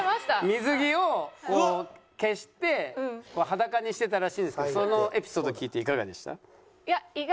水着をこう消して裸にしてたらしいんですけどそのエピソード聞いていかがでした？